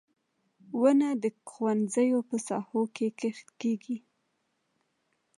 • ونه د ښوونځیو په ساحو کې کښت کیږي.